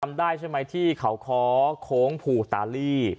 ได้ใช่ไหมที่เขาค้อโค้งภูตาลี